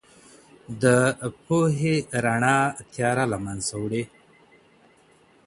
د پوهې رڼا تیاره له منځه وړي.